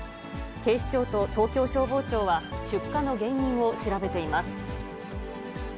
警視庁と東京消防庁は出火の原因を調べています。